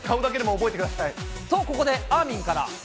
と、ここで、あーみんから。